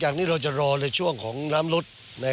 ก็จะรอในช่วงของน้ำลด